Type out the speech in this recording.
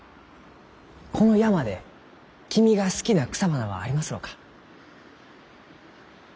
この山で君が好きな草花はありますろうか？